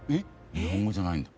日本語じゃないんだ。